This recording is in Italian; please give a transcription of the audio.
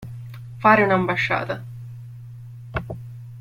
Fare un'ambasciata.